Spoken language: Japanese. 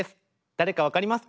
誰か分かりますか？